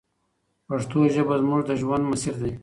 پښتو ژبه زموږ د ژوند مسیر دی.